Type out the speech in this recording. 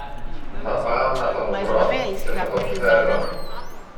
Θα πάω να τον βρω και θα τον φέρω.